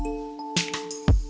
ditunggu ya pak